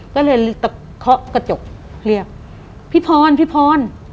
ก็เลยตะเคาะกระจกเรียกพี่พรพี่พร